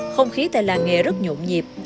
không khí tại làng nghề rất nhộn nhịp